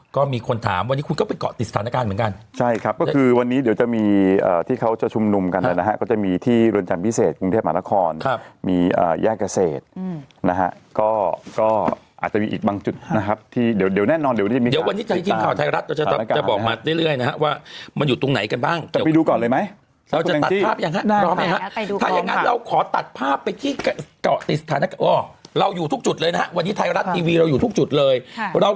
ก็มีคนถามวันนี้คุณก็ไปเกาะติดสถานการณ์เหมือนกันใช่ครับก็คือวันนี้เดี๋ยวจะมีที่เขาจะชุมนุมกันเลยนะครับก็จะมีที่รวมจันทร์พิเศษกรุงเทพหมาละครครับมีแยกเกษตรนะฮะก็อาจจะมีอีกบางจุดนะครับที่เดี๋ยวแน่นอนเดี๋ยววันนี้มีการติดตามสถานการณ์นะครับเดี๋ยววันนี้ในทีมข่าวไทยรัฐ